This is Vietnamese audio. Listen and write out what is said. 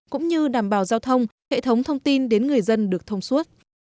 cũng như đảm bảo giao thông hệ thống thông tin đến người dân được thông suốt